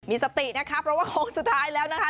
มีสตินะคะเพราะว่าโค้งสุดท้ายแล้วนะคะ